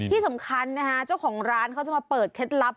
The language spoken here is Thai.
ที่สำคัญนะฮะเจ้าของร้านเขาจะมาเปิดเคล็ดลับ